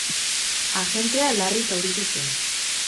Agentea larri zauritu zen.